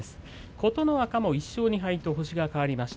琴ノ若も１勝２敗と星が変わりました。